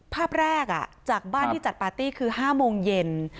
ภาพแรกจากบ้านที่จัดปาร์ตี้คือ๕โมงเย็น